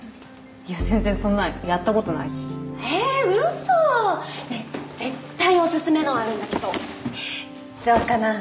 いや全然そんなんやったことないしええーウソ？ねえ絶対オススメのあるんだけどどうかな？